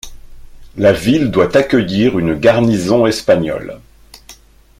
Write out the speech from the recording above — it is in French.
La ville doit accueillir une garnison espagnole.